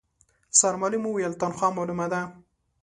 سرمعلم وويل، تنخوا مالومه ده.